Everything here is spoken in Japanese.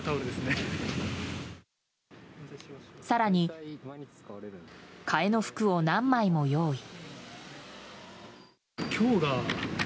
更に、替えの服を何枚も用意。